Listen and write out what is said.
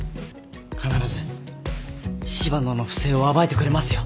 必ず柴野の不正を暴いてくれますよ。